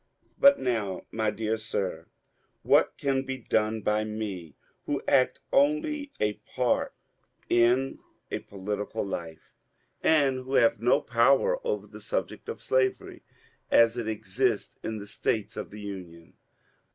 228 MONCURE DANIEL CONWAY But now, my dear sir, what can be done by me, who act only a part in political life, and who have no power over the subject of slavery as it exists in the States of the Union